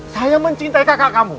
saya mencintai kakak kamu